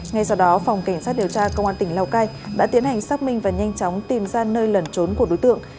ngay sau đó phòng cảnh sát điều tra công an tỉnh lào cai đã tiến hành xác minh và nhanh chóng tìm ra nơi lẩn trốn của đối tượng